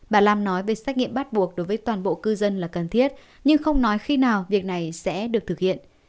bà lam nói về xét nghiệm bắt buộc đối với toàn bộ cư dân là cần thiết nhưng không nói khi nào việc này sẽ được thực hiện